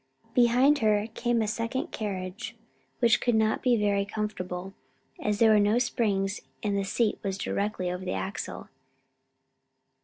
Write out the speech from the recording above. Behind her came a second carriage, which could not be very comfortable, as there were no springs and the seat was directly over the axle.